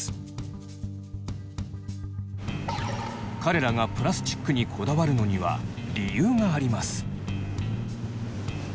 彼らがプラスチックにこだわるのには理由があります。